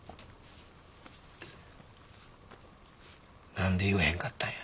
何で言わへんかったんや？